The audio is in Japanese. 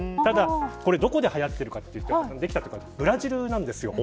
これどこではやっているかというとブラジルなんですよ。